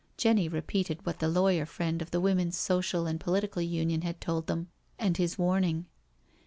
Jenny repeated what the lawyer friend of the Women's Social and Political Union had told them, and his warning.